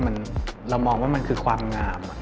เรามองว่ามันคือความงาม